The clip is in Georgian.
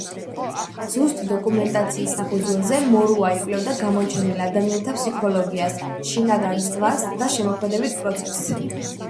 ზუსტი დოკუმენტაციის საფუძველზე მორუა იკვლევდა გამოჩენილ ადამიანთა ფსიქოლოგიას, შინაგან წვას და შემოქმედებით პროცესს.